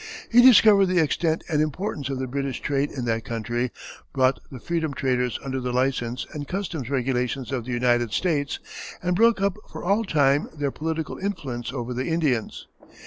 He discovered the extent and importance of the British trade in that country, brought the foreign traders under the license and customs regulations of the United States, and broke up for all time their political influence over the Indians.